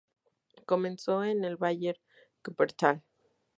Comenzó en el Bayer Wuppertal.